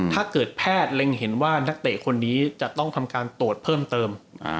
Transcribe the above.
ถ้าเกิดแพทย์เล็งเห็นว่านักเตะคนนี้จะต้องทำการตรวจเพิ่มเติม